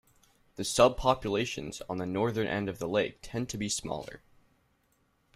The subpopulations on the northern end of the lake tend to be smaller.